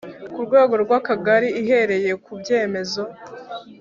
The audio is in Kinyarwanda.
ku rwego rwakagari ihereye ku byemezo